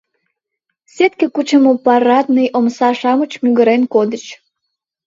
Сетке кучымо парадный омса-шамыч мӱгырен кодыч.